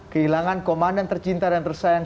kehilangan komandan tercinta dan tersayang